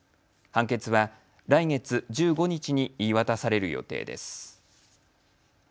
判決は来月１５日に言い渡される予定です。